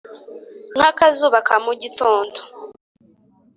nk'akazuba ka mu gitondo.